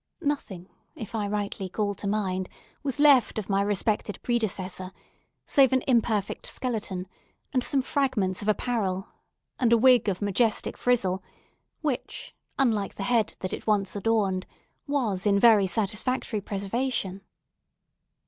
Nothing, if I rightly call to mind, was left of my respected predecessor, save an imperfect skeleton, and some fragments of apparel, and a wig of majestic frizzle, which, unlike the head that it once adorned, was in very satisfactory preservation.